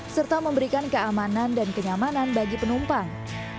serta memberikan keamanan dan kenyamanan bagi penumpang